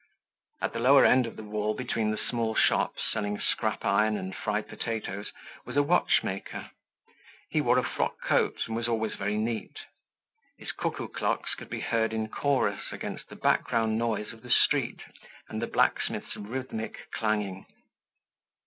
At the lower end of the wall between the small shops selling scrap iron and fried potatoes was a watchmaker. He wore a frock coat and was always very neat. His cuckoo clocks could be heard in chorus against the background noise of the street and the blacksmith's rhythmic clanging.